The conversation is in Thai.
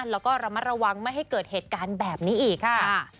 แล้วก็ระมัดระวังไม่ให้เกิดเหตุการณ์แบบนี้อีกค่ะ